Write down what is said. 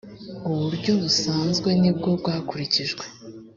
uburyo busanzwe nibwo bwakurikijwe.